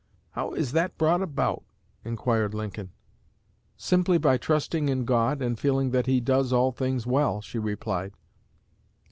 'How is that brought about?' inquired Mr. Lincoln. 'Simply by trusting in God, and feeling that He does all things well,' she replied.